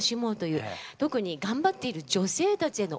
特に頑張っている女性たちヘの応援歌です。